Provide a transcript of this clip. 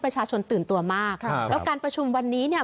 ตื่นตัวมากครับแล้วการประชุมวันนี้เนี่ย